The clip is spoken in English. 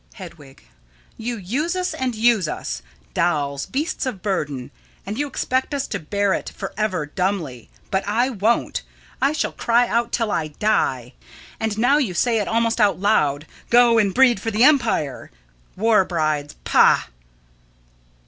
Hedwig: You use us, and use us dolls, beasts of burden, and you expect us to bear it forever dumbly; but I won't! I shall cry out till I die. And now you say it almost out loud, "Go and breed for the empire." War brides! Pah!